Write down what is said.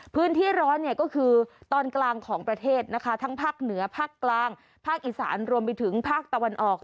พื้นที่ร้อนเนี่ยก็คือตอนกลางของประเทศนะคะทั้งภาคเหนือภาคกลางภาคอีสานรวมไปถึงภาคตะวันออก